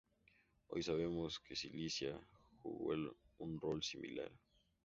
Hoy sabemos que Sicilia jugó un rol similar.